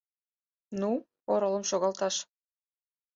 — Ну, оролым шогалташ.